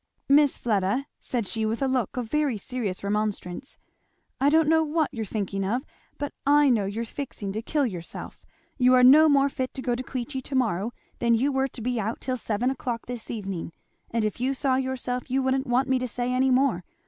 "Miss Fleda," said she with a look of very serious remonstrance, "I don't know what you're thinking of, but I know you're fixing to kill yourself. You are no more fit to go to Queechy to morrow than you were to be out till seven o'clock this evening; and if you saw yourself you wouldn't want me to say any more.